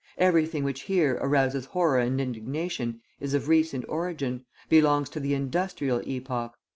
Everything which here arouses horror and indignation is of recent origin, belongs to the industrial epoch.